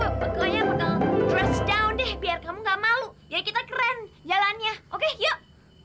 aku pegangnya bakal dress down deh biar kamu gak malu jadi kita keren jalannya oke yuk